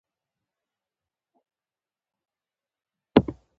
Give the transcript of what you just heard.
دا داسې فکرونه جوړولو بهير دی چې انرژي يې په لاسته راوړنو بدلېږي.